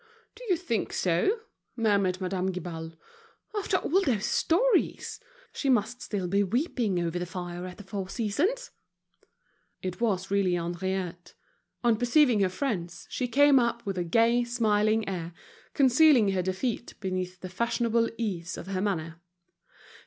"Do you think so?" murmured Madame Guibal. "After all those stories! She must still be weeping over the fire at The Four Seasons." It was really Henriette. On perceiving her friends, she came up with a gay, smiling air, concealing her defeat beneath the fashionable ease of her manner.